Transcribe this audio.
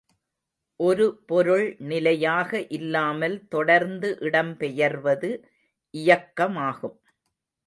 ஒரு பொருள் நிலையாக இல்லாமல் தொடர்ந்து இடம் பெயர்வது இயக்கமாகும்.